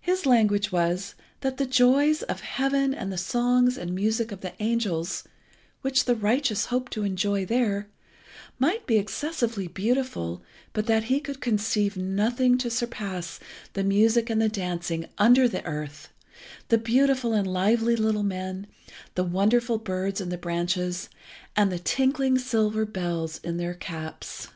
His language was that the joys of heaven and the songs and music of the angels, which the righteous hope to enjoy there, might be excessively beautiful, but that he could conceive nothing to surpass the music and the dancing under the earth, the beautiful and lively little men, the wonderful birds in the branches, and the tinkling silver bells in their caps.